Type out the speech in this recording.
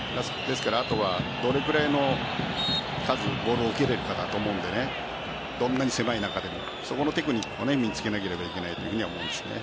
どれくらいの数ボールを受けれるかだと思うのでどんなに狭い中でもそこのテクニックを身に付けなければいけないと思いますね。